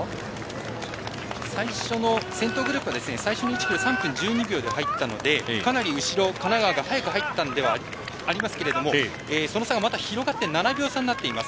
先頭グループ最初の１ｋｍ、３分１２秒で入ったので、かなり後ろを神奈川がかなり早く入ったのではありますがその差がまた広がって７秒です。